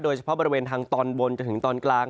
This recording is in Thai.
โดยเฉพาะบริเวณทางตอนบนจนถึงตอนกลาง